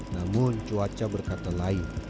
namun cuaca berkata lain